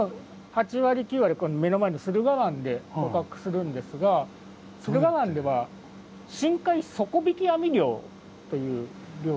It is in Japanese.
８割９割目の前の駿河湾で捕獲するんですが駿河湾では深海底引き網漁という漁。